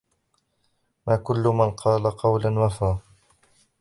ما كل من قال قولا وفى.